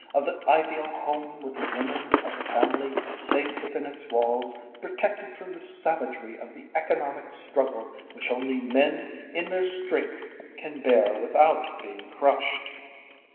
of the ideal home with the women of the family safe within its walls, protected from the savagery of the economic struggle which only men in their strength can bear without being crushed."